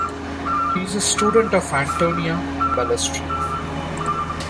He is a student of Antonio Balestra.